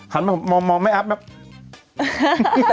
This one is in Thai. หันมามองแม่แอ๊บปะ